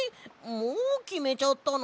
もうきめちゃったの？